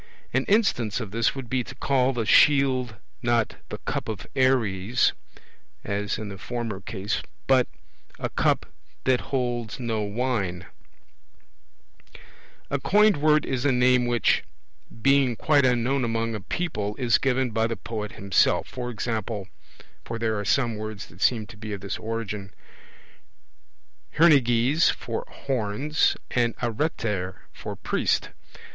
An instance of this would be to call the shield not the 'cup of Ares,' as in the former case, but a 'cup that holds no wine'. A coined word is a name which, being quite unknown among a people, is given by the poet himself; e.g. (for there are some words that seem to be of this origin) hernyges for horns, and areter for priest.